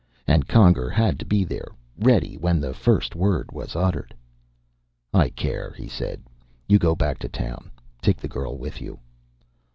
And Conger had to be there, ready when the first word was uttered! "I care," he said. "You go on back to town. Take the girl with you."